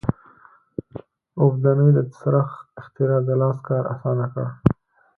اوبدنې د څرخ اختراع د لاس کار اسانه کړ.